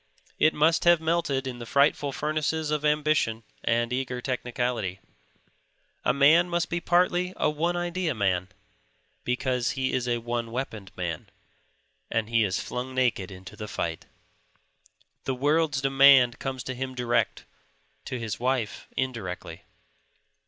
It must have melted in the frightful furnaces of ambition and eager technicality. A man must be partly a one idead man, because he is a one weaponed man and he is flung naked into the fight. The world's demand comes to him direct; to his wife indirectly.